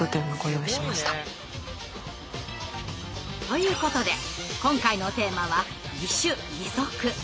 ということで今回のテーマは義手義足。